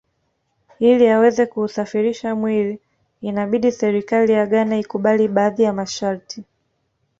Ili aweze kuusafirisha mwili inabidi serikali ya Ghana ikubali baadhi ya masharti